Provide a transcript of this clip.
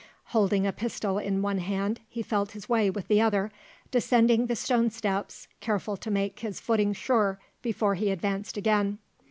Holding a pistol in one hand, he felt his way with the other, descending the stone steps, careful to make his footing sure before he advanced again.